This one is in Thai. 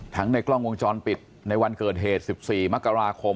ในกล้องวงจรปิดในวันเกิดเหตุ๑๔มกราคม